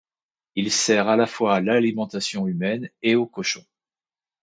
Il sert à la fois à l'alimentation humaine et aux cochons.